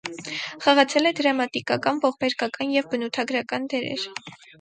Խաղացել է դրամատիկական, ողբերգական և բնութագրական դերեր։